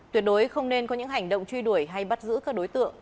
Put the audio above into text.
tuyệt đối không nên có những hành động truy đuổi hay bắt giữ các đối tượng